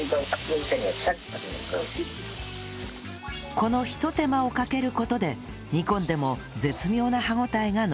このひと手間をかける事で煮込んでも絶妙な歯応えが残るのだそう